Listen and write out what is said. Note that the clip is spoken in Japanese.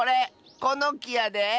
このきやで。